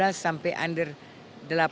karena inilah usia yang ibaratnya usianya itu